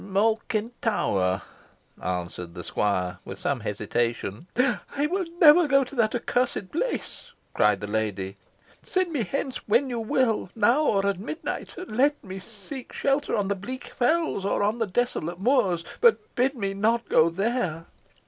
"Malkin Tower," answered the squire, with some hesitation. "I will never go to that accursed place," cried the lady. "Send me hence when you will now, or at midnight and let me seek shelter on the bleak fells or on the desolate moors, but bid me not go there!"